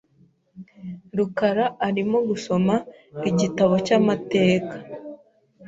rukara arimo gusoma igitabo cyamateka .